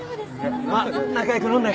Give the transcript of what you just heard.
まあ仲良く飲んで。